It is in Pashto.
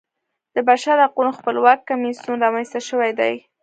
د بشرحقونو خپلواک کمیسیون رامنځته شوی دی.